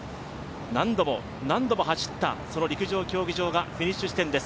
何度も何度も走った陸上競技場がフィニッシュ地点です。